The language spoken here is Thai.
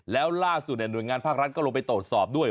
แล้วล่าสุดหน่วยงานภาครัฐก็ลงไปตรวจสอบด้วย